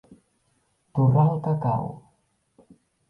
Torrar el cacau.